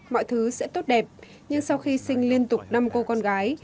mọi thứ sẽ tốt đẹp nhưng sau khi sinh liên tục năm cô con gái